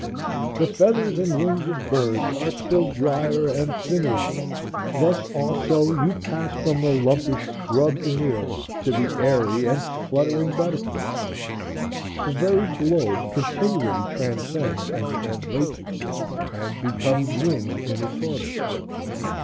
The feathers and wings of birds are still drier and thinner leaves. Thus, also, you pass from the lumpish grub in the earth to the airy and fluttering butterfly. The very globe continually transcends and translates itself, and becomes winged in its orbit.